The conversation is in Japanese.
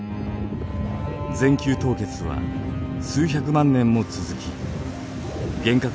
全球凍結は数百万年も続き原核